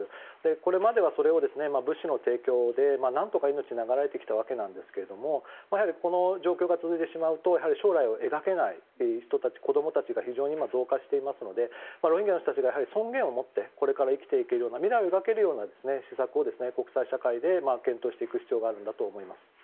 これまではそれを物資の提供で何とか命を長らえてきたわけですがやはりこの状況が続いてしまうと将来を描けない子供たちが非常に増加していますのでロヒンギャの人たちが尊厳を持って未来を描けるような施策を国際社会で検討していく必要があると思います。